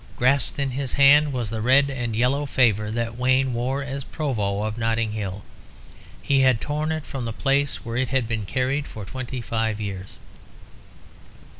Grasped in his hand was the red and yellow favour that Wayne wore as Provost of Notting Hill. He had torn it from the place where it had been carried for twenty five years.